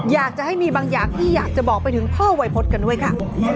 อยากจะให้มีบางอย่างที่อยากจะบอกไปถึงพ่อวัยพฤษกันด้วยค่ะ